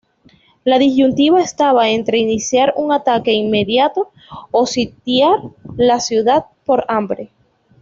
La disyuntiva estaba entre iniciar un ataque inmediato o sitiar la ciudad por hambre.